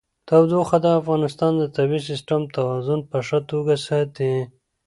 تودوخه د افغانستان د طبعي سیسټم توازن په ښه توګه ساتي.